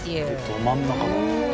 「ど真ん中だ」